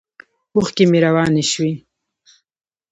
اوښکې مې روانې شوې.